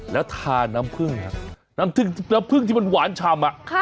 แล้วทาน้ำพึ่งครับน้ำผึ้งที่มันหวานชำ